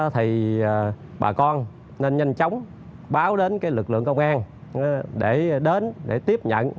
thì bà con nên nhanh chóng báo đến lực lượng công an để đến để tiếp nhận